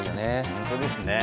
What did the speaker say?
本当ですね。